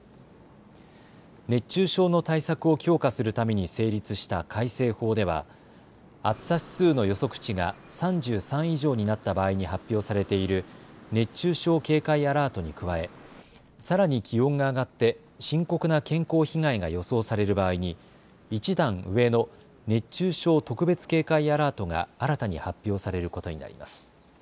熱中症の対策を強化するために成立した改正法では暑さ指数の予測値が３３以上になった場合に発表されている熱中症警戒アラートに加えさらに気温が上がって深刻な健康被害が予想される場合に一段上の熱中症特別警戒アラートが新たに発表されることになります。